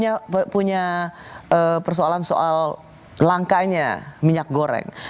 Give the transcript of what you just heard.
kita dulu pernah punya persoalan soal langkahnya minyak goreng